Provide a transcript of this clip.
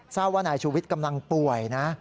ทราบว่านายชูวิทย์กำลังป่วยนะ